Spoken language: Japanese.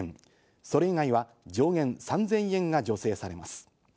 それ以外は上限３０００円が助成されます。